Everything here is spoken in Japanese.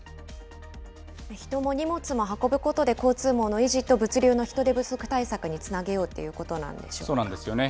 人も荷物も運ぶことで、交通網の維持と物流の人手不足対策につなげようということなんでそうなんですよね。